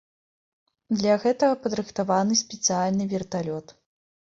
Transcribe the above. Для гэтага падрыхтаваны спецыяльны верталёт.